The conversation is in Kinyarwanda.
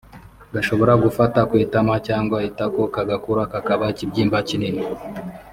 gashobora gufata ku itama cyangwa ku itako kagakura kakaba ikibyimba kinini